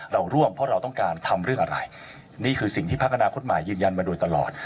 เราร่วมเพราะเราต้องการทำเรื่องอะไรนี่คือสิ่งที่พักอนาคตใหม่ยืนยันมาโดยตลอด